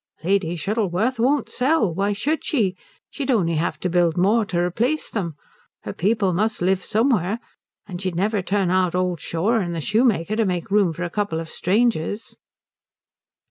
"Lady Shuttleworth won't sell. Why should she? She'd only have to build more to replace them. Her people must live somewhere. And she'll never turn out old Shaw and the shoemaker to make room for a couple of strangers."